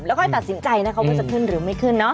แล้วก็ตัดสินใจเขาว่าจะขึ้นหรือไม่ขึ้นเนอะ